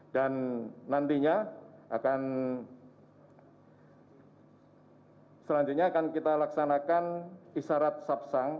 dan nantinya akan selanjutnya akan kita laksanakan isarat sub sang